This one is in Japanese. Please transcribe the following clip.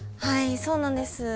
はいそうなんです。